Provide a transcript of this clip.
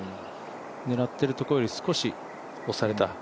狙っているところより少し押された？